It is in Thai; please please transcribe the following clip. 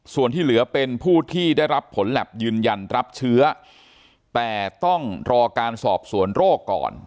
ส่วนที่เหลือเป็นผู้ที่ได้รับผลแล็บยืนยันรับเชื้อแต่ต้องรอการสอบสวนโรคก่อน